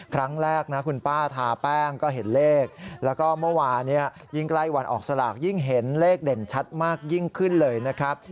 ครั้งแรกนะคุณป้าทาแป้งก็เห็นเลขแล้วก็เมื่อวานเนี่ยยิ่งใกล้วันออกสลากยิ่งเห็นเลขเด่นชัดมากยิ่งขึ้นเลยนะครับ